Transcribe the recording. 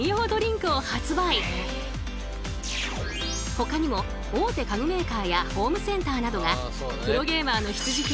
ほかにも大手家具メーカーやホームセンターなどがプロゲーマーの必需品